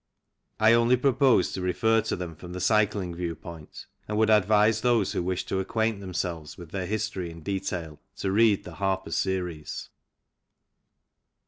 I only propose to refer to them from the cycling view point, and would advise those who wish to acquaint themselves with their history in detail to read the Harper series.